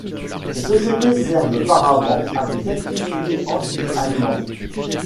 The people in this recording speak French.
Cette société sert de paravent à des activités anti-allemandes.